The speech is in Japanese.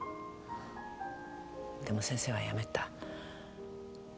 でも先生は辞めた。